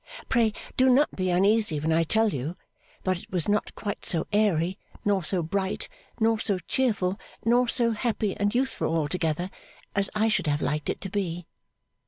Pray do not be uneasy when I tell you, but it was not quite so airy, nor so bright, nor so cheerful, nor so happy and youthful altogether as I should have liked it to be.